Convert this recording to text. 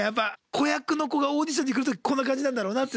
子役の子がオーディションに来るときこんな感じなんだろうなって。